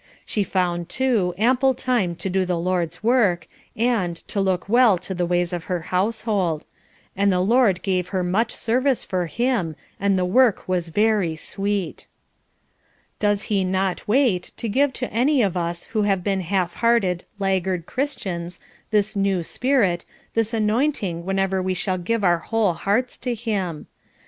She found, too, ample time to do the Lord's work, and to "look well to the ways of her household," and the Lord gave her much service for him, and the work was very sweet. Does he not wait to give to any of us who have been half hearted laggard Christians, this "new spirit," this anointing whenever we shall give our whole hearts to him.